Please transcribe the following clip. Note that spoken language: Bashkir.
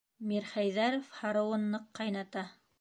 Мирхәйҙәров һарыуын ныҡ ҡайната.